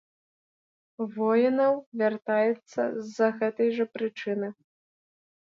Воінаў вяртаецца з-за гэтай жа прычыны.